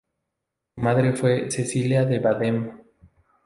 Su madre fue Cecilia de Baden.